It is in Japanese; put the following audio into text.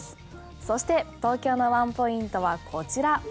そして東京のワンポイントはこちら。